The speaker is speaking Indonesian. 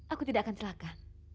aku tidak akan celaka